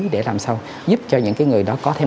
để làm sao giúp cho những người đó có thêm